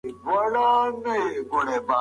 سپین سرې وویل چې هر سهار د نوي برکت سره راځي.